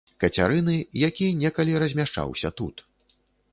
Кацярыны, які некалі размяшчаўся тут.